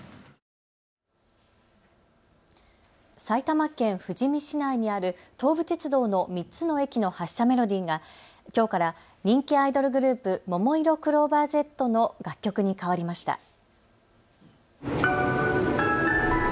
埼玉県富士見市内にある東武鉄道の３つの駅の発車メロディーがきょうから人気アイドルグループ、ももいろクローバーＺの楽曲に変わりました。